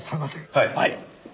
はい。